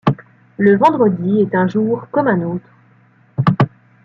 Le vendredi est un jour comme un autre.